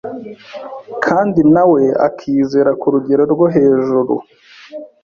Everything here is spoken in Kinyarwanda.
kandi nawe akizera ku rugero rwo hejuru.